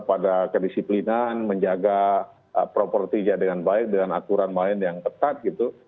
pada kedisiplinan menjaga propertinya dengan baik dengan aturan main yang ketat gitu